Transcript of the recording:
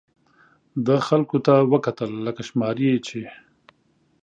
ده خلکو ته وکتل، لکه شماري یې چې.